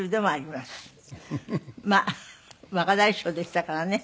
まあ若大将でしたからね。